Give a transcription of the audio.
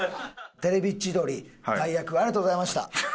『テレビ千鳥』代役ありがとうございました。